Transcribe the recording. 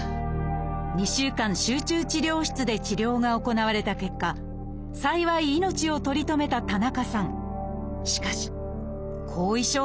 ２週間集中治療室で治療が行われた結果幸い命を取り留めた田中さん。